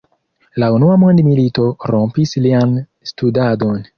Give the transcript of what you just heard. La unua mondmilito rompis lian studadon.